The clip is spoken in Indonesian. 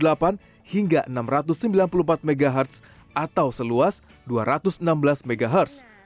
hingga enam ratus sembilan puluh empat mhz atau seluas dua ratus enam belas mhz